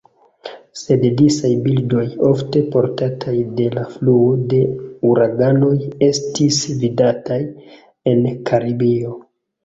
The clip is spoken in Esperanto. Sed disaj birdoj, ofte portataj de la fluo de uraganoj, estis vidataj en Karibio.